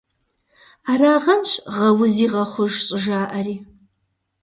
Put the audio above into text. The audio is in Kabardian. Арагъэнщ «Гъэузи – гъэхъуж!» щӏыжаӏари.